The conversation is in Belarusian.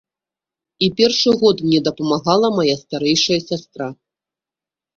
І першы год мне дапамагала мая старэйшая сястра.